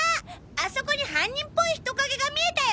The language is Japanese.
あそこに犯人っぽい人影が見えたよ！